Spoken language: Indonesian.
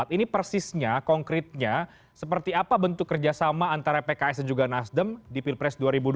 ini persisnya konkretnya seperti apa bentuk kerjasama antara pks dan juga nasdem di pilpres dua ribu dua puluh